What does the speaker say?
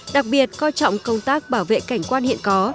đặc biệt coi trọng công tác bảo vệ cảnh quan hiện có